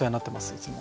いつも。